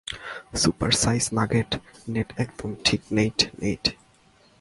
Supersize nugget নেট একদম ঠিক নেইট, নেইট।